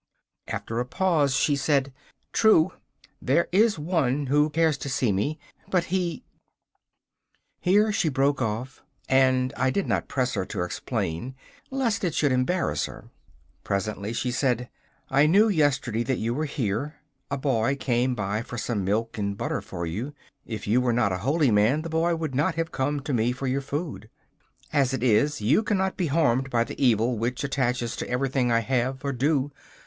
After a pause she said: 'True, there is one who cares to see me, but he ' Here she broke off, and I did not press her to explain lest it should embarrass her. Presently she said: 'I knew yesterday that you were here. A boy came for some milk and butter for you. If you were not a holy man the boy would not have come to me for your food. As it is, you cannot be harmed by the evil which attaches to everything I have or do.